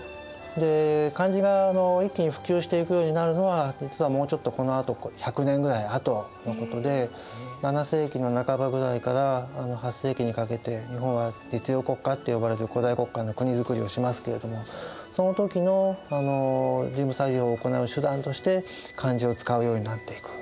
で漢字が一気に普及していくようになるのは実はもうちょっとこのあと１００年ぐらいあとのことで７世紀の半ばぐらいから８世紀にかけて日本は律令国家と呼ばれる古代国家の国造りをしますけれどもその時の事務作業を行う手段として漢字を使うようになっていく。